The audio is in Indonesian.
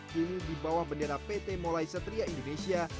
kini di bawah bendera pt molai satria indonesia